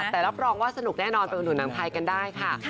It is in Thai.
แต่รับรองว่าสนุกแน่นอนไปอุดหนุหนังไทยกันได้ค่ะ